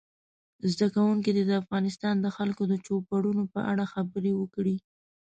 زده کوونکي دې د افغانستان د خلکو د چوپړونو په اړه خبرې وکړي.